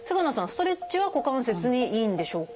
ストレッチは股関節にいいんでしょうか？